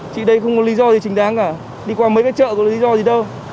chị đây không có lý do gì chính đáng cả đi qua mấy cái chợ có lý do gì đâu